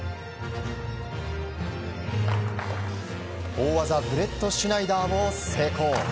大技ブレットシュナイダーを成功。